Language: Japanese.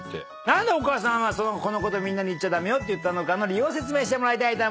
何でお母さんはこのこと言っちゃ駄目よって言ったのか理由を説明してもらいたいと。